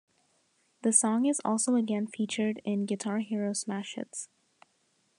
The song is also again featured in "Guitar Hero Smash Hits".